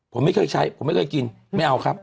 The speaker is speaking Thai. ผมไม่เคยใช้ผมไม่เคยกินไม่เอาครับ